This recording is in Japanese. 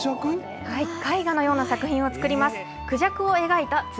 絵画のような作品を作ります。